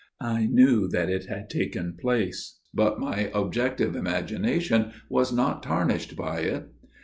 I knew that it had taken place, but my objective imagination was not tarnished by it.